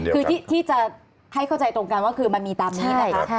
คือที่จะให้เข้าใจตรงกันว่าคือมันมีตามนี้นะคะ